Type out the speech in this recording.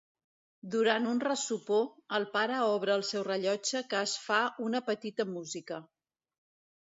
Durant un ressopó, el pare obre el seu rellotge que es fa una petita música.